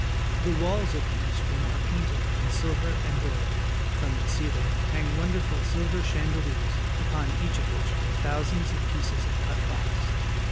The walls of the East Room are painted in silver and gold. From its ceiling hang wonderful silver chandeliers, upon each of which are thousands of pieces of cut glass.